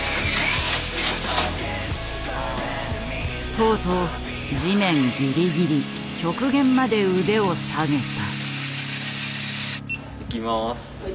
とうとう地面ギリギリ極限まで腕を下げた。